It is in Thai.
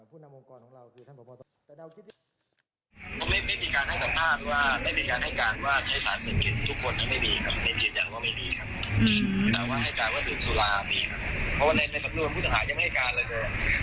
ไม่มีการให้สัมภาษณ์ว่าไม่มีการให้การว่า